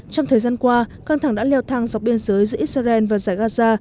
trong thời gian qua căng thẳng đã leo thang dọc biên giới giữa israel và giải gaza